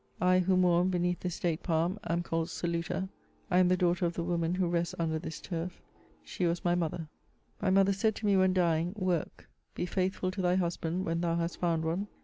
I, who mourn beneath this date palm, am called Celuta ; I am the daughter of the woman who rests under this turf ; she was my mother. *' My mother said to me when dying :' Work ; be faithful to thy husband when thou hast found one.